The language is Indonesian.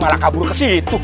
malah kabur ke situ